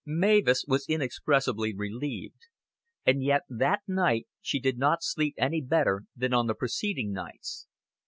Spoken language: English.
Mavis was inexpressibly relieved; and yet that night she did not sleep any better than on the preceding nights.